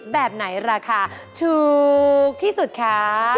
แบบไหนราคาถูกที่สุดคะ